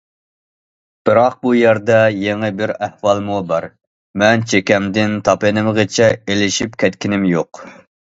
بىراق بۇ يەردە يېڭى بىر ئەھۋالمۇ بار: مەن چېكەمدىن تاپىنىمغىچە ئېلىشىپ كەتكىنىم يوق.